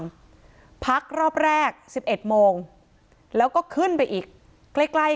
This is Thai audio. พักรอบแรกสิบเอ็ดโมงแล้วก็ขึ้นไปอีกใกล้ใกล้